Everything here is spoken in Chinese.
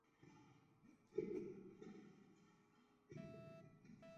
波希米亚森林畔施瓦尔岑贝格是奥地利上奥地利州罗巴赫县的一个市镇。